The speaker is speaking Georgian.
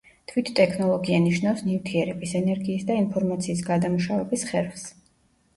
თვით ტექნოლოგია ნიშნავს ნივთიერების, ენერგიის და ინფორმაციის გადამუშავების ხერხს.